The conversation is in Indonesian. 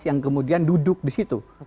yang kemudian duduk di situ